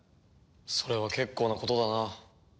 それは結構なことだな。